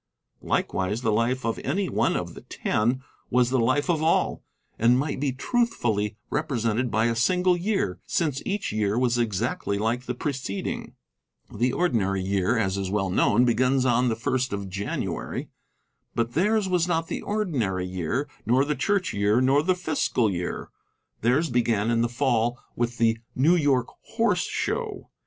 Likewise the life of any one of the Ten was the life of all, and might be truthfully represented by a single year, since each year was exactly like the preceding. The ordinary year, as is well known, begins on the first of January. But theirs was not the ordinary year, nor the Church year, nor the fiscal year. Theirs began in the Fall with the New York Horse Show.